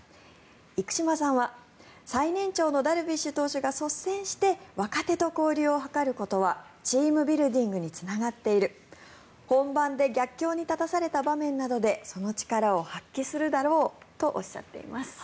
生島さんは、最年長のダルビッシュ投手が率先して若手と交流を図ることはチームビルディングにつながっている本番で逆境に立たされた場面などでその力を発揮するだろうとおっしゃっています。